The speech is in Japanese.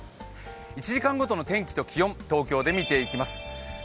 １時間ごとの天気と気温、東京で見ていきます。